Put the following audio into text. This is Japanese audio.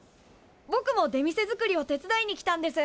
ぼくも出店作りを手伝いに来たんです。